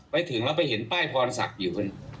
ไปถึงแล้วไปเห็นป้ายพรศักดิ์อยู่บน